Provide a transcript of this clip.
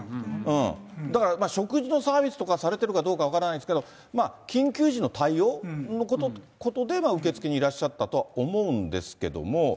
だから、食事のサービスとかされてるかどうか分からないですけど、まあ緊急時の対応のことで受付にいらっしゃったとは思うんですけれども。